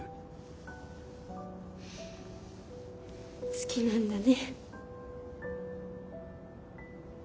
好きなんだね。